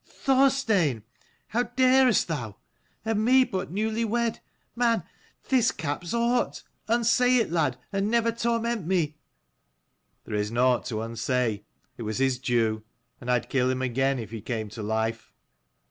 "Thorstein! how darest thou? and me but new wed. Man, this caps aught. Unsay it, lad, and never torment me." " There is nought to unsay; it was his due: and I'd kill him again if he came to life."